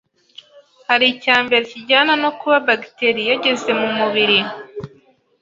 hari icya mbere kijyana no kuba bagiteri yageze mu mubiri.